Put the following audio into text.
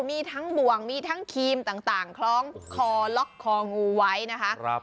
มีทั้งบ่วงมีทั้งครีมต่างคล้องคอล็อกคองูไว้นะคะ